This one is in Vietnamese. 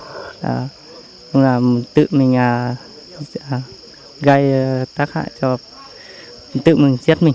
không là tự mình gây tác hại cho tự mình giết mình